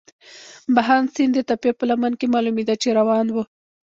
بهاند سیند د تپې په لمن کې معلومېده، چې روان وو.